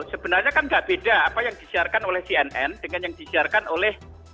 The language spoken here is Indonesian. sebenarnya kan nggak beda apa yang disiarkan oleh cnn dengan yang disiarkan oleh